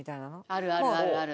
あるある。